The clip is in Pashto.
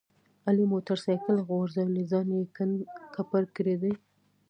علي موټر سایکل غورځولی ځان یې کنډ کپر کړی دی.